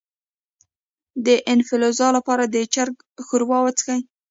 د انفلونزا لپاره د چرګ ښوروا وڅښئ